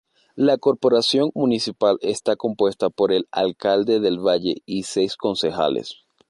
La corporación municipal está compuesta por el alcalde del valle y seis concejales.